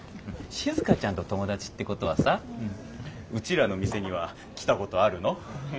しずかちゃんと友達ってことはさうちらの店には来たことあるの？